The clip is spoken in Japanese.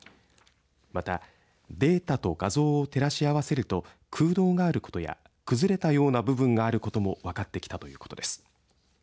また、データと画像を照らし合わせると空洞があることや崩れたような部分があることも分かってきたということです。